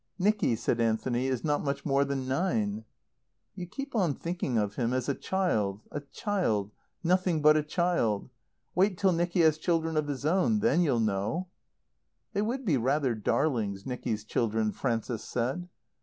"Nicky," said Anthony, "is not much more than nine." "You keep on thinking of him as a child a child nothing but a child. Wait till Nicky has children of his own. Then you'll know." "They would be rather darlings, Nicky's children," Frances said.